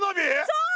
そう！